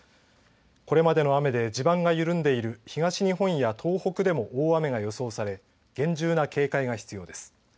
これまでの雨で地盤が緩んでいる東日本や東北でも大雨が予想され厳重な警戒が必要です。